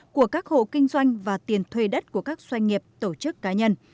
của các hộ kinh doanh và tiền thuê đất của các doanh nghiệp tổ chức cá nhân